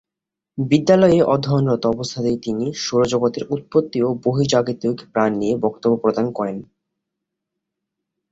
বিদ্যালয়ে অধ্যয়নরত অবস্থাতেই তিনি সৌরজগতের উৎপত্তি ও বহির্জাগতিক প্রাণ নিয়ে বক্তব্য প্রদান করেন।